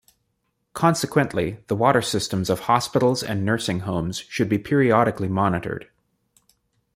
Consequently, the water systems of hospitals and nursing homes should be periodically monitored.